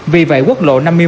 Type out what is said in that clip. vì vậy quốc lộ năm mươi một